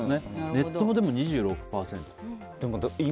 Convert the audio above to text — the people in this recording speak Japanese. ネットも２６％。